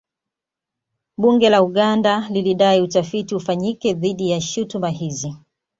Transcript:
Bunge la Uganda lilidai utafiti ufanyike dhidi ya shutuma hizi